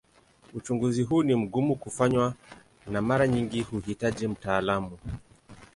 Uchunguzi huu ni mgumu kufanywa na mara nyingi huhitaji mtaalamu.